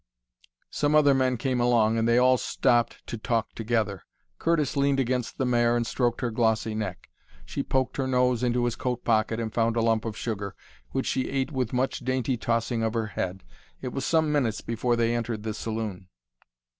Some other men came along, and they all stopped to talk together. Curtis leaned against the mare and stroked her glossy neck. She poked her nose into his coat pocket and found a lump of sugar, which she ate with much dainty tossing of her head. It was some minutes before they entered the saloon.